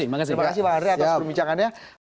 terima kasih bang andre atas perbincangannya